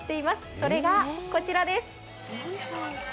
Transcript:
それがこちらです。